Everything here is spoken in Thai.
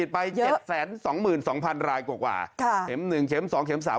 เป็น๑๒๒๐๐๐รายกว่า